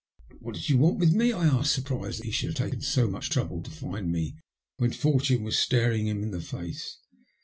"But what did you want with me?" I asked, surprised that he should have taken so much trouble to find me when Fortune was staring him in the face.